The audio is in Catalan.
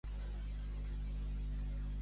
Com es va aprofitar d'això Teràmenes d'Atenes?